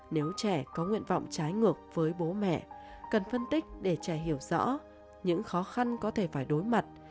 nếu trẻ có nguyện vọng trái ngược với bố mẹ cần phân tích để trẻ hiểu rõ những khó khăn có thể phải đối mặt